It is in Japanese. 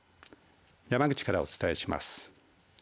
山口からお伝えします。